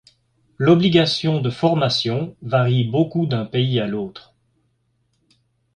L'obligation de formation varie beaucoup d'un pays à l'autre.